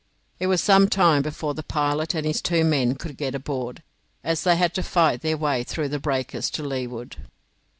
It was some time before the pilot and his two men could get aboard, as they had to fight their way through the breakers to leeward.